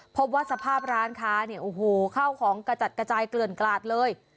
พบว่าสภาพร้านค้าเนี่ยโอ้โหเข้าของกระจัดกระจายเกลื่อนกลาดเลย